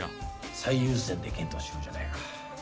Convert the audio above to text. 最優先で検討しようじゃないか。